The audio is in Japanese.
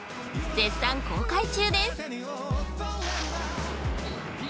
絶賛公開中です！